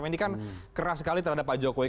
ini kan keras sekali terhadap pak jokowi